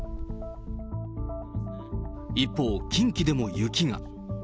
一方、近畿でも雪が。